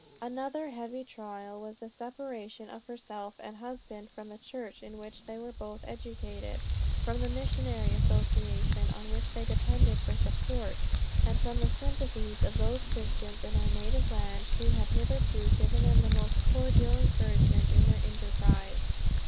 Another heavy trial, was the separation of herself and husband from the church in which they were both educated, from the missionary association on which they depended for support, and from the sympathies of those Christians in their native land who had hitherto given them the most cordial encouragement in their enterprise.